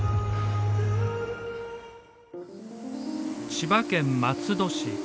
千葉県松戸市。